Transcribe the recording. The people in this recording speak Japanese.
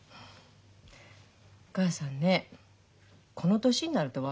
お母さんねこの年になると分かるのよ。